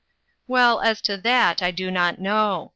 " Well, as to that, I do not know.